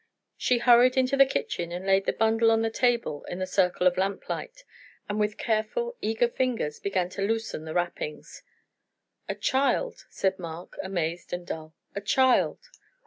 She hurried into the kitchen and laid the bundle on the table in the circle of lamplight, and with careful, eager fingers, began to loosen the wrappings. "A child!" said Mark, amazed and dull "a child!"